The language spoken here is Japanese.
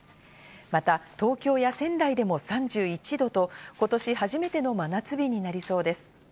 また東京や仙台でも３１度と、今年初めての真夏日になりそうです。